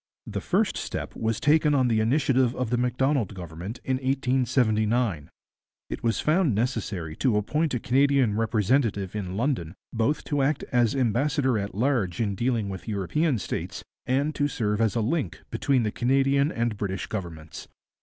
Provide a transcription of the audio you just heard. The first step was taken on the initiative of the Macdonald Government in 1879. It was found necessary to appoint a Canadian representative in London both to act as ambassador at large in dealing with European states, and to serve as a link between the Canadian and British Governments.